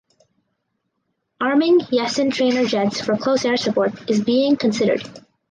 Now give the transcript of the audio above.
Arming Yasin trainer jets for Close Air Support is being considered.